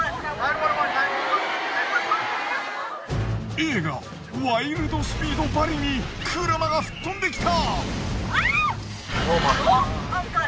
映画『ワイルド・スピード』ばりに車が吹っ飛んできた。